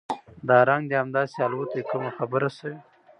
دا رنګ د هم داسې الوتى کومه خبره شوې؟